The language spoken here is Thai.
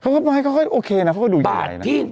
เขาก็มายก็ค่อยโอเคนะเขาก็ดูอย่างไรนะบาทที่